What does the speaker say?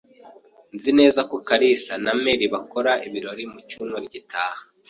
Nzi neza ko kalisa na Mary bakora ibirori mu cyumweru gitaha.